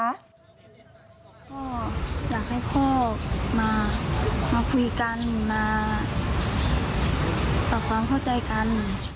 ก็อยากให้พ่อมาคุยกันมาปรับความเข้าใจกัน